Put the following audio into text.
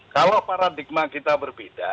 kalau paradigma kita berbeda